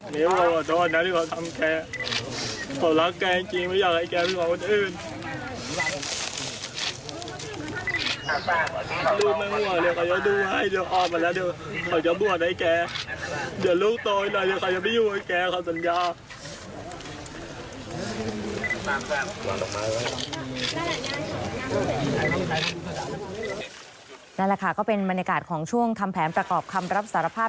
นี่แหละค่ะก็เป็นบรรยากาศของช่วงทำแผนประกอบคำรับสารภาพ